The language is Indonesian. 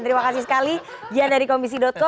terima kasih sekali gian dari komisi co